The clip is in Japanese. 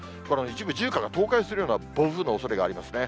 一部住家が倒壊するような暴風のおそれがありますね。